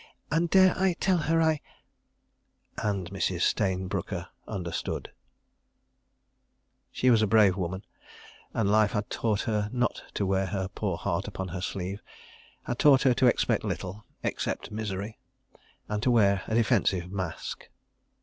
"And dare I tell her I ..." And Mrs. Stayne Brooker understood. She was a brave woman, and Life had taught her not to wear her poor heart upon her sleeve, had taught her to expect little (except misery), and to wear a defensive mask.